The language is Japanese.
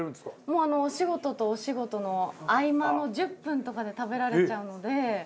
もうお仕事とお仕事の合間の１０分とかで食べられちゃうので。